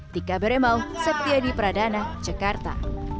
tika beremau septiadi pradana jakarta